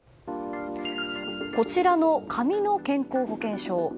こちらの紙の健康保険証。